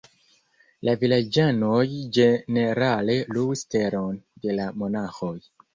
La vilaĝanoj ĝenerale luis teron de la monaĥoj.